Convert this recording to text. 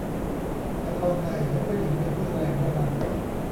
ละครใน ใช้ผู้หญิงเป็นผู้แสดงเท่านั้น